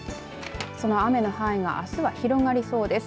その雨の範囲があすは広がりそうです。